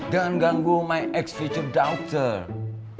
jangan ganggu dokter dokter saya